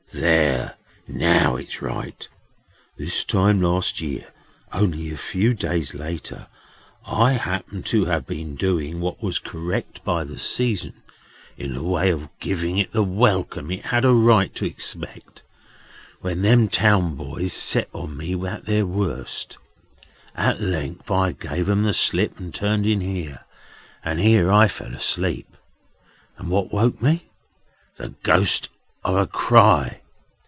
"There! Now it's right! This time last year, only a few days later, I happened to have been doing what was correct by the season, in the way of giving it the welcome it had a right to expect, when them town boys set on me at their worst. At length I gave 'em the slip, and turned in here. And here I fell asleep. And what woke me? The ghost of a cry.